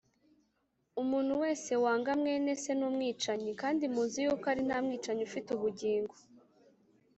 Umuntu wese wanga mwene Se ni umwicanyi, kandi muzi yuko ari nta mwicanyi ufite ubugingo